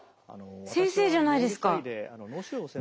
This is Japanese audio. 先生じゃないですか。